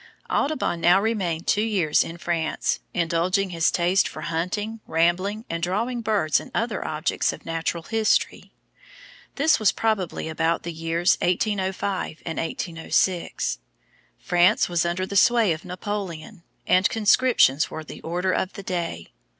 Audubon now remained two years in France, indulging his taste for hunting, rambling, and drawing birds and other objects of Natural History. This was probably about the years 1805 and 1806. France was under the sway of Napoleon, and conscriptions were the order of the day.